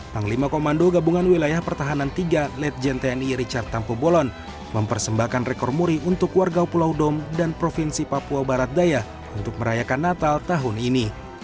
panglima komando gabungan wilayah pertahanan tiga legend tni richard tampu bolon mempersembahkan rekor muri untuk warga pulau dom dan provinsi papua barat daya untuk merayakan natal tahun ini